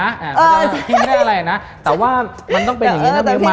แต่ว่ามันต้องเป็นอย่างงี้นะมิวหมากมันต้องปุ่มนะ